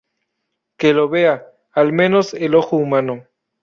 que lo vea, al menos, el ojo humano.